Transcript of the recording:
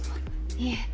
いえ。